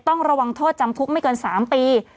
ต้องระวังโทษจำคุกไม่เกิน๓ปี